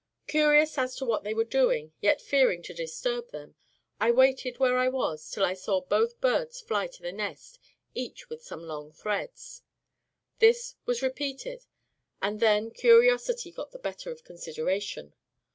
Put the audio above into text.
Curious as to what they were doing, yet fearing to disturb them, I waited where I was till I saw both birds fly to the nest, each with some long threads. This was repeated; and then curiosity got the better of consideration.